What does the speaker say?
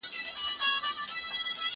زه پرون پوښتنه وکړه؟!